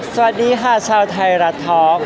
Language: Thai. สวัสดีค่ะชาวไทยรัฐท้อง